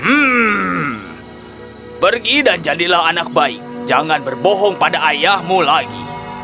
hmm pergi dan jadilah anak baik jangan berbohong pada ayahmu lagi